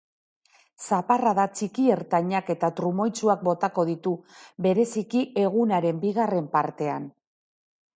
Zaparrada txiki-ertainak eta trumoitsuak botako ditu, bereziki egunaren bigarren partean.